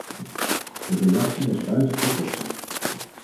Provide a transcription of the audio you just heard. De reactie was buiten proportie.